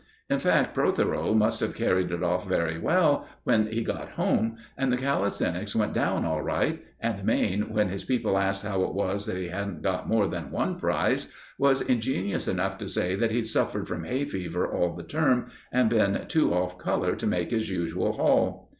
In fact, Protheroe must have carried it off very well when he got home, and the calisthenics went down all right; and Mayne, when his people asked how it was that he hadn't got more than one prize, was ingenious enough to say that he'd suffered from hay fever all the term and been too off colour to make his usual haul.